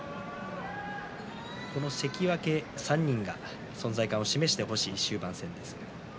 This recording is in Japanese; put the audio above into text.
この関脇３人が存在感を示してほしい終盤戦です。